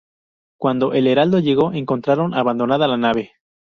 Cuando el Heraldo llegó, encontraron abandonada la nave.